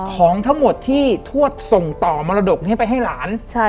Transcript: ของทั้งหมดที่ทวดส่งต่อมรดกนี้ไปให้หลาน